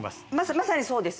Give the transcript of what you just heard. まさにそうです。